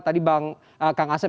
tadi bang kang asep sudah menjelaskan